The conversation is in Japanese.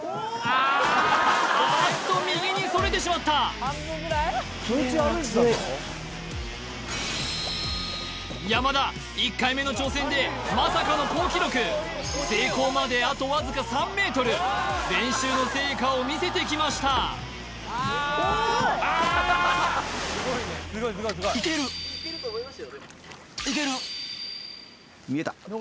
あーっと右にそれてしまった山田１回目の挑戦でまさかの好記録成功まであとわずか３ｍ練習の成果を見せてきましたいけます